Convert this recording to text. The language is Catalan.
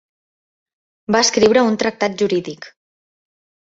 Va escriure un tractat jurídic.